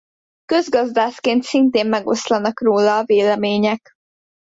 Közgazdászként szintén megoszlanak róla a vélemények.